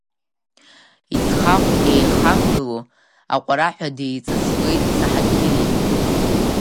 Ицхахә еихамгыло аҟәараҳәа деиҵасуеит Саҳаҭқьери.